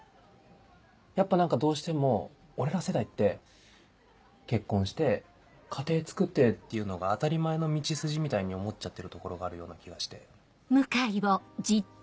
やっぱ何かどうしても俺ら世代って結婚して家庭つくってっていうのが当たり前の道筋みたいに思っちゃってるところがあるような気がして。